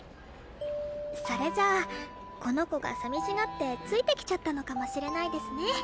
それじゃあこの子が寂しがってついてきちゃったのかもしれないですね。